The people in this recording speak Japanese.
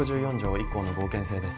１項の合憲性です。